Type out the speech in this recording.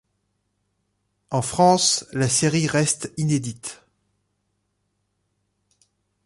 En France, la série reste inédite.